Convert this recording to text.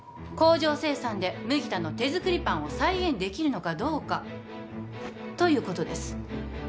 工場生産で麦田の手作りパンを再現できるのかどうかということです